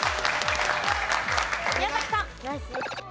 宮崎さん。